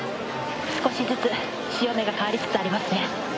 少しずつ潮目が変わりつつありますね。